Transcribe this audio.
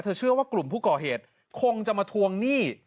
เชื่อว่ากลุ่มผู้ก่อเหตุคงจะมาทวงหนี้